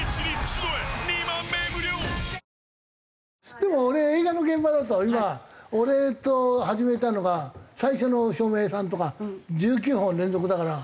でも俺映画の現場だと今俺と始めたのが最初の照明さんとか１９本連続だから。